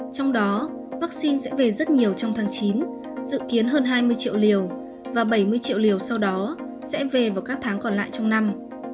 trong đó vaccine sẽ về rất nhiều trong tháng chín dự kiến hơn hai mươi triệu liều và bảy mươi triệu liều sau đó sẽ về vào các tháng còn lại trong năm